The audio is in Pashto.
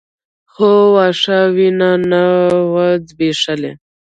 خو واښه وينه نه وه ځبېښلې.